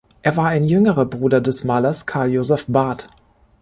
Er war ein jüngerer Bruder des Malers Carl Josef Barth.